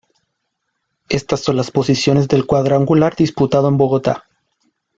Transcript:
Estas son las posiciones del cuadrangular disputado en Bogotá.